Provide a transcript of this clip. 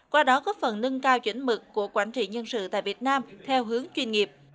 qua đó góp phần nâng cao chuẩn mực của quản trị nhân sự tại việt nam theo hướng chuyên nghiệp